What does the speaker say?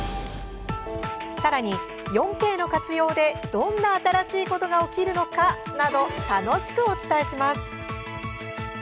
さらに４Ｋの活用でどんな新しいことが起きるのかなど楽しくお伝えします。